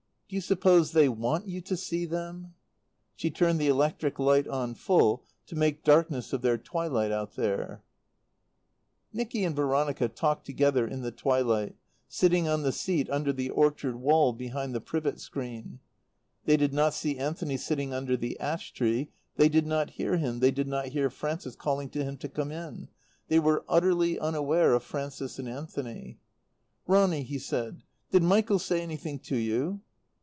"Do you suppose they want you to see them?" She turned the electric light on full, to make darkness of their twilight out there. Nicky and Veronica talked together in the twilight, sitting on the seat under the orchard well behind the privet screen. They did not see Anthony sitting under the ash tree, they did not hear him, they did not hear Frances calling to him to come in. They were utterly unaware of Frances and Anthony. "Ronny," he said, "did Michael say anything to you?"